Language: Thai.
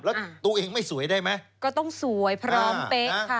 แล้วตัวเองไม่สวยได้ไหมก็ต้องสวยพร้อมเป๊ะค่ะ